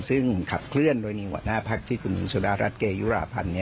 ซึ่งขับเคลื่อนโดยนิวัตนาภักดิ์ชิคกี้พรีสุรรัสเกยุราพันธ์